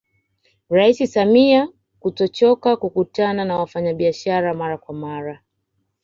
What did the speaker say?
Rais Samia kutochoka kukutana na wafanyabiashara mara kwa mara